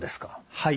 はい。